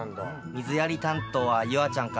水やり担当は夕空ちゃんかな？